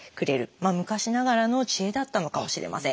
昔ながらの知恵だったのかもしれません。